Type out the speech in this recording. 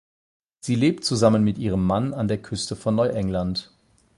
Sie lebt zusammen mit ihrem Mann an der Küste von Neuengland.